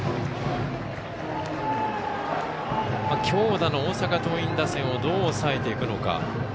強打の大阪桐蔭打線をどう抑えていくのか。